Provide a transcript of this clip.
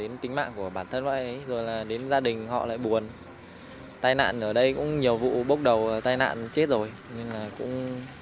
nhiều tai nạn chết rồi nên là cũng